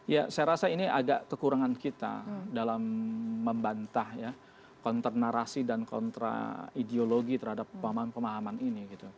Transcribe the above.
ya saya rasa ini agak kekurangan kita dalam membantah ya kontra narasi dan kontra ideologi terhadap pemahaman pemahaman ini